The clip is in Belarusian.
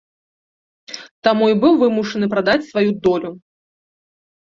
Таму і быў вымушаны прадаць сваю долю.